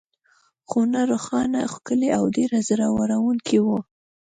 خونه روښانه، ښکلې او ډېره زړه وړونکې وه.